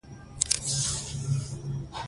د ولس ګډون د واک انحصار کمزوری کوي